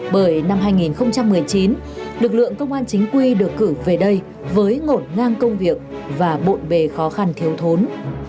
bởi năm hai nghìn một mươi chín lực lượng công an chính quy được cử về đây với ngổn ngang công việc và bộn bề khó khăn thiếu thốn